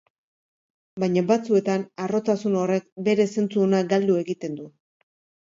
Baina, batzuetan, harrotasun horrek bere zentzu ona galdu egiten du.